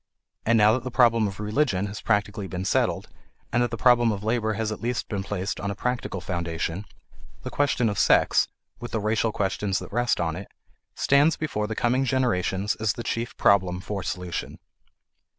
And now that the problem of religion has practically been settled, and that the problem of labor has at least been placed on a practical foundation, the question of sex with the racial questions that rest on it stands before the coming generations as the chief problem for solution.